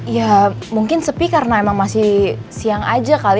ya mungkin sepi karena emang masih siang aja kali